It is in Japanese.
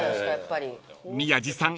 ［宮治さん